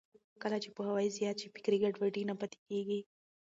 کله چې پوهاوی زیات شي، فکري ګډوډي نه پاتې کېږي.